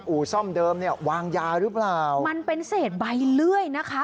อู่ซ่อมเดิมเนี่ยวางยาหรือเปล่ามันเป็นเศษใบเลื่อยนะคะ